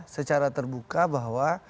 secara terbuka bahwa